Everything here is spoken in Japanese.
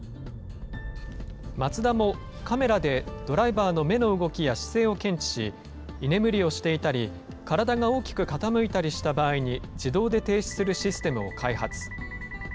マツダもカメラでドライバーの目の動きや姿勢を検知し、居眠りをしていたり、体が大きく傾いたりした場合に自動で停止するシステムを開発。